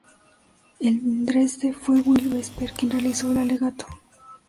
En Dresde fue Will Vesper quien realizó el alegato.